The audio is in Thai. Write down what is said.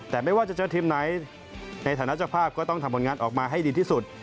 แต่ไม่ว่าจะเจอทีมไหนในฐานะเจ้าภาพก็ต้องทำผลงานออกมาให้ดีที่สุด